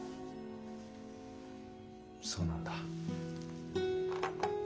そうなんだ。